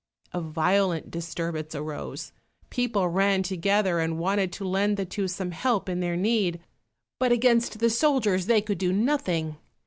A violent disturbance arose, people ran together, and wanted to lend the two some help in their need, but against the soldiers they could do nothing.